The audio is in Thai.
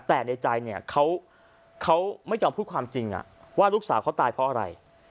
แต่ในใจเนี่ยเขาไม่ยอมพูดความจริงว่าลูกสาวเขาตายเพราะอะไร